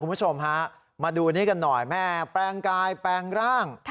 คุณผู้ชมฮะมาดูนี้กันหน่อยแม่แปลงกายแปลงร่าง